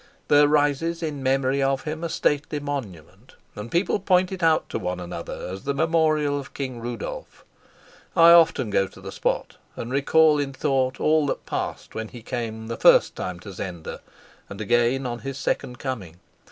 There rises in memory of him a stately monument, and people point it out to one another as the memorial of King Rudolf. I go often to the spot, and recall in thought all that passed when he came the first time to Zenda, and again on his second coming.